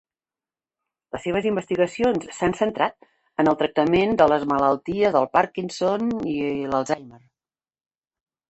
Les seves investigacions s'han centrat en el tractament de les malalties del Parkinson i l'Alzheimer.